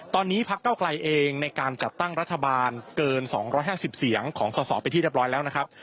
ตอนนี้พักเก้าไกลเองในการจัดตั้งรัฐบาลเกิน๒๕๐เสียงของสอสอไปที่เรียบร้อยแล้วนะครับ